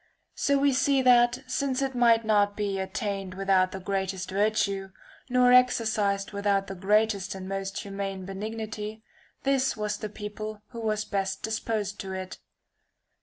So we see that since it might not be attained without the greatest virtue, nor exercised without the greatest and most humane [iioj benignity, this was the people who was best disposed to it.